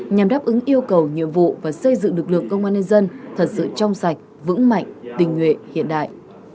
nhằm đáp ứng yêu cầu nhiệm vụ và xây dựng lực lượng công an nhân dân thật sự trong sạch vững mạnh tình nguyện hiện đại